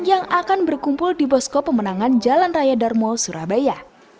yang akan berkumpul di posko pemenangan jalan raya darmo surabaya